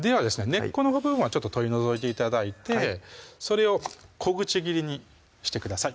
根っこの部分は取り除いて頂いてそれを小口切りにしてください